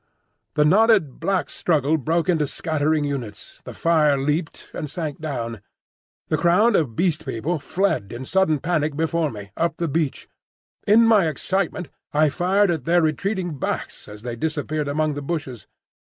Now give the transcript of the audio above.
The knotted black struggle broke into scattering units, the fire leapt and sank down. The crowd of Beast People fled in sudden panic before me, up the beach. In my excitement I fired at their retreating backs as they disappeared among the bushes.